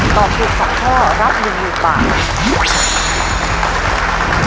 ตอบถูก๒ข้อรับ๑๐๐๐บาท